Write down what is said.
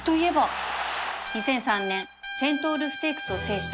２００３年セントウルステークスを制した